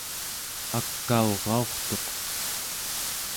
akauraurtuq